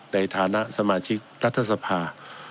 ในฐานะสมาชิกรัฐสภา